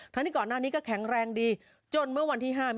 ทั้งนี้ก่อนหน้านี้ก็แข็งแรงดีจนเมื่อวันที่ห้ามิทุ